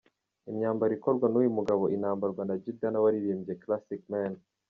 Imyambaro ikorwa n’uyu mugabo inambarwa na Jidenna waririmbye ’Classic Man’.